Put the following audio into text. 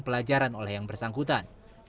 pelajaran oleh yang bersangkutan